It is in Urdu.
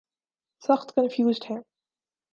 سخت کنفیوزڈ ہیں۔